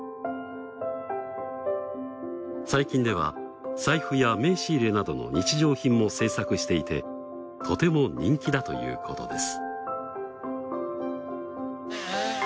最近では財布や名刺入れなどの日常品も制作していてとても人気だということです。